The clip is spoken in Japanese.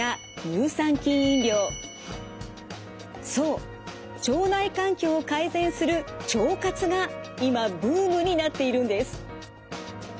そう腸内環境を改善する腸活が今ブームになっているんです。